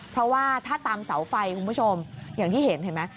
เพราะว่าถ้าตามเสาไฟคุณผู้ชมอย่างที่เห็นเห็นไหม